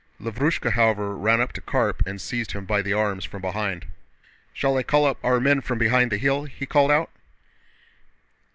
Lavrúshka, however, ran up to Karp and seized him by the arms from behind. "Shall I call up our men from beyond the hill?" he called out.